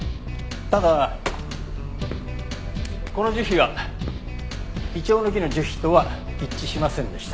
ただこの樹皮はイチョウの木の樹皮とは一致しませんでした。